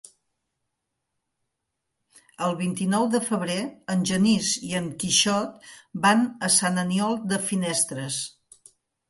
El vint-i-nou de febrer en Genís i en Quixot van a Sant Aniol de Finestres.